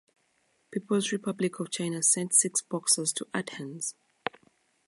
People's Republic of China sent six boxers to Athens.